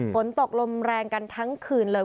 ฝนตกลมแรงกันทั้งคืนเลย